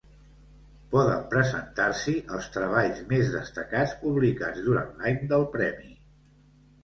Poden presentar-s'hi els treballs més destacats publicats durant l'any del premi.